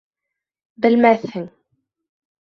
Белмәҫһең.